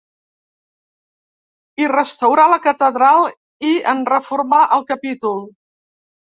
Hi restaurà la catedral i en reformà el capítol.